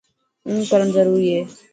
اونگ ڪرڻ ضروري هي.